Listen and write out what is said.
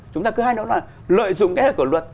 chúng ta cứ hay nói là lợi dụng kế hợp của luật